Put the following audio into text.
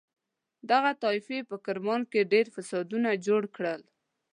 دغه طایفې په کرمان کې ډېر فسادونه جوړ کړل.